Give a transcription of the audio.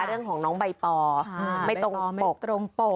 เรื่องของน้องใบปอไม่ตรงปกตรงปก